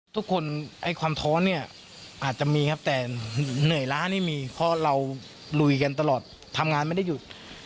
ทุกคนไอ้ความท้อนเนี่ยอาจจะมีครับแต่เหนื่อยล้านี่มีเพราะเราลุยกันตลอดทำงานไม่ได้หยุด